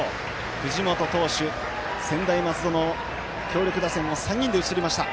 藤本投手、専大松戸の強力打線を３人で打ち取りました。